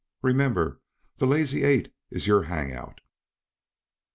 Remember, the Lazy Eight's your hang out."